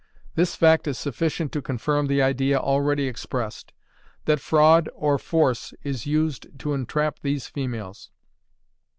This fact is sufficient to confirm the idea already expressed, that fraud or force is used to entrap these females.